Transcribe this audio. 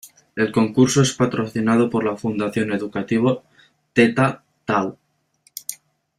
El concurso es patrocinado por la Fundación Educativa Theta Tau.